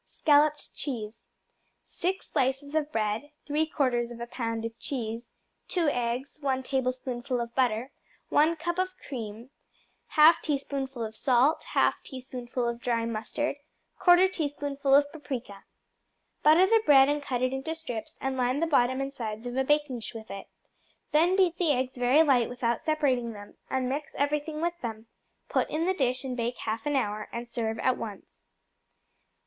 Scalloped Cheese 6 slices of bread. 3/4 of a pound of cheese. 2 eggs. 1 tablespoonful of butter. 1 cup of cream. 1/2 teaspoonful of salt. 1/2 teaspoonful of dry mustard. 1/4 teaspoonful of paprika. Butter the bread and cut it into strips, and line the bottom and sides of a baking dish with it. Then beat the eggs very light without separating them, and mix everything with them; put in the dish and bake half an hour, and serve at once.